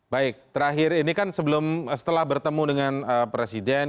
baik terakhir ini kan sebelum setelah bertemu dengan presiden